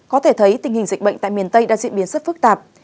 có thể thấy tình hình dịch bệnh tại miền tây đã diễn biến rất phức tạp